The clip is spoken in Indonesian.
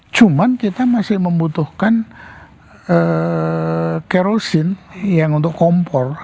cuman kita masih membutuhkan kerosin yang untuk kompor